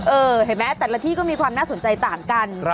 เห็นไหมแต่ละที่ก็มีความน่าสนใจต่างกัน